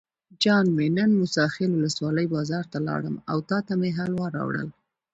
جان مې نن موسی خیل ولسوالۍ بازار ته لاړم او تاته مې حلوا راوړل.